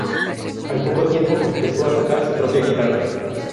Al poco tiempo empezó a tocar su propia guitarra.